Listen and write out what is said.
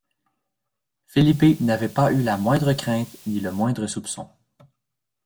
Felipe n’avait pas eu la moindre crainte ni le moindre soupçon.